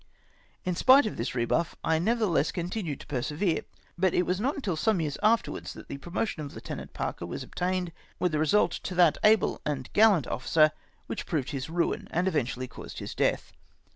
In spite of this rebuff, I nevertheless continued to persevere, but it was not till some years afterwards that the promotion of Lieutenant Parker was obtained, with a result tO that able and gallant officer which proved his ruin, and eventually caused his death.